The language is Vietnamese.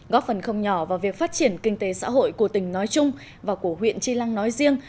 góp phần không nhỏ vào việc phát triển kinh tế xã hội của tỉnh nói chung và của huyện chi lăng nói riêng